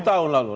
tujuh tahun lalu